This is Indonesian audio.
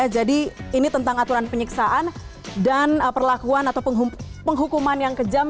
jadi ini tentang aturan penyiksaan dan perlakuan atau penghukuman yang kejam